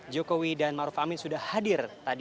jokowi dan maruf amin sudah hadir tadi